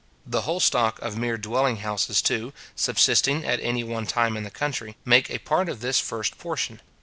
The whole stock of mere dwelling houses, too, subsisting at any one time in the country, make a part of this first portion.